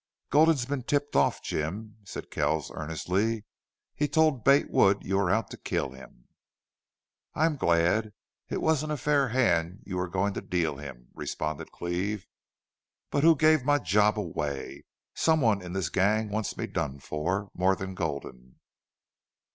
"Gulden's been tipped off, Jim," said Kells, earnestly. "He told Bate Wood you were out to kill him." "I'm glad. It wasn't a fair hand you were going to deal him," responded Cleve. "But who gave my job away? Someone in this gang wants me done for more than Gulden."